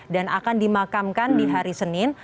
dan akan dimaklumkan